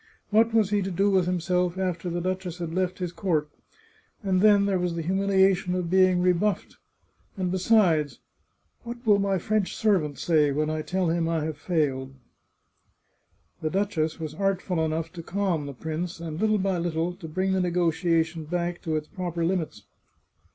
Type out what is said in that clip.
What was he to do with himself after the duchess had left his court ? And then there was the humiliation of being rebuffed; and be 504 The Chartreuse of Parma sides, " What will my French servant say when I tell him I have failed." The duchess was artful enough to calm the prince, and little by little, to bring the negotiation back to its proper limits.